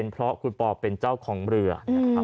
เพราะคุณปอร์เป็นเจ้าของเรือ